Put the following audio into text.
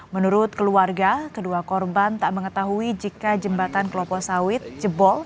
menurut keluarga kedua korban tak mengetahui jika jembatan kelopo sawit jebol